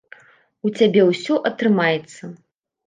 У цябе ўсё атрымаецца.